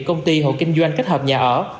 công ty hộ kinh doanh kết hợp nhà ở